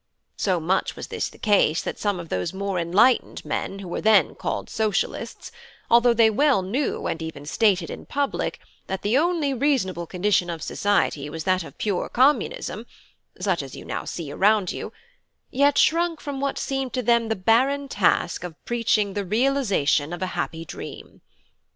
So much was this the case that some of those more enlightened men who were then called Socialists, although they well knew, and even stated in public, that the only reasonable condition of Society was that of pure Communism (such as you now see around you), yet shrunk from what seemed to them the barren task of preaching the realisation of a happy dream.